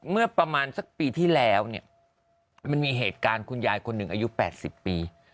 เมื่อประมาณสักปีที่แล้วเนี่ยมันมีเหตุการณ์คุณยายคนหนึ่งอายุ๘๐ปี